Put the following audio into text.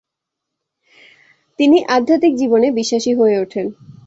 তিনি আধ্যাত্মিক জীবনে বিশ্বাসী হয়ে ওঠেন।